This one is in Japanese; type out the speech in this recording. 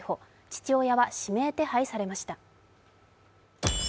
父親は指名手配されました。